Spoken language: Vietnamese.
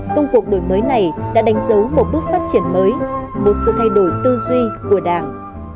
công cuộc đổi mới này đã đánh dấu một bước phát triển mới một sự thay đổi tư duy của đảng